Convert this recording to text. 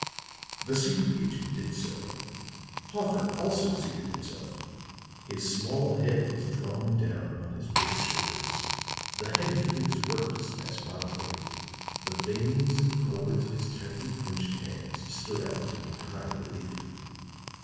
The secret agent did so. Hoffer also seated himself; his small head was drawn down upon his big shoulders, the heavy face worked spasmodically; the veins and cords of his tightly clinched hands stood out in high relief.